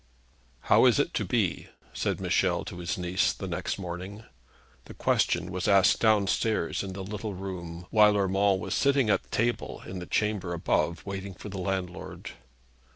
'How is it to be?' said Michel to his niece the next morning. The question was asked downstairs in the little room, while Urmand was sitting at table in the chamber above waiting for the landlord.